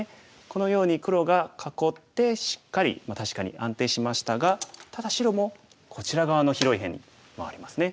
このように黒が囲ってしっかり確かに安定しましたがただ白もこちら側の広い辺に回りますね。